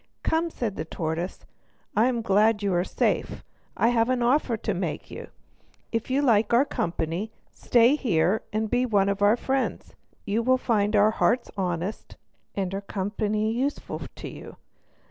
"Come," said the tortoise, "I am glad you are safe. I have an offer to make you. If you like our company, stay here and be one of our friends; you will find our hearts honest and our company useful to you.